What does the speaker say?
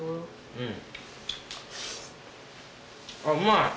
うん。